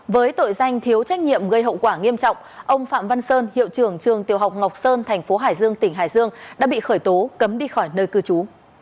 với tội danh thiếu trách nhiệm gây hậu quả nghiêm trọng ông phạm văn sơn hiệu trưởng trường tiểu học ngọc sơn thành phố hải dương tỉnh hải dương đã bị khởi tố cấm đi khỏi nơi cư trú